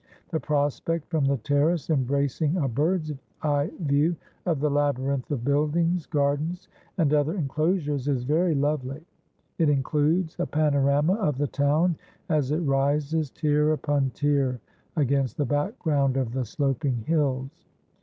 The prospect from the terrace, embracing a bird's eye view of the labyrinth of buildings, gardens, and other enclosures, is very lovely. It includes a panorama of the town as it rises, tier upon tier, against the background of the sloping hills.